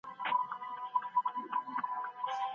د بیوزلو خلګو اوښکې پاکول ثواب لري.